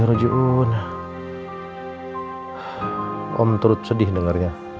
om terut sedih dengarnya